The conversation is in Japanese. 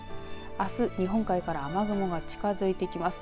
あす日本海から雨雲が近づいてきます。